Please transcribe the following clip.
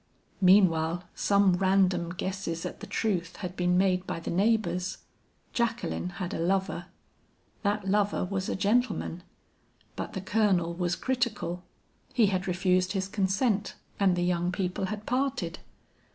"Meanwhile some random guesses at the truth had been made by the neighbors. Jacqueline had a lover. That lover was a gentleman; but the Colonel was critical; he had refused his consent and the young people had parted.